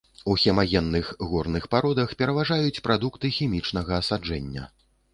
У хемагенных горных пародах пераважаюць прадукты хімічнага асаджэння.